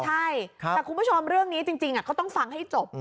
ใช่แต่คุณผู้ชมเรื่องนี้จริงก็ต้องฟังให้จบ